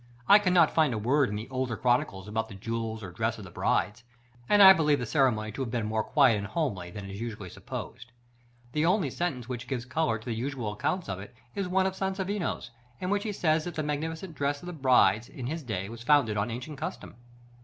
I cannot find a word in the older Chronicles about the jewels or dress of the brides, and I believe the ceremony to have been more quiet and homely than is usually supposed. The only sentence which gives color to the usual accounts of it is one of Sansovino's, in which he says that the magnificent dress of the brides in his day was founded "on ancient custom."